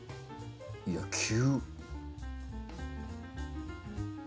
いや急。